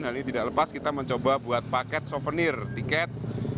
hal ini tidak lepas kita mencoba buat paket souvenir tiket